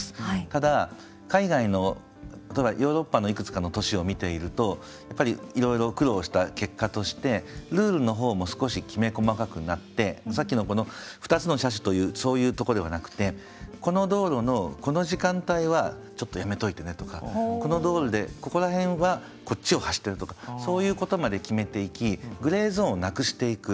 ただ海外の例えばヨーロッパのいくつかの都市を見ているとやっぱりいろいろ苦労した結果としてルールの方も少しきめ細かくなってさっきのこの２つの車種というそういうとこではなくてこの道路のこの時間帯はちょっとやめといてねとかこの道路でここら辺はこっちを走ってるとかそういうことまで決めていきグレーゾーンをなくしていく。